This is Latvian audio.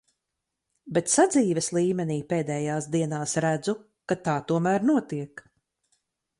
Bet sadzīves līmenī pēdējās dienās redzu, ka tā tomēr notiek.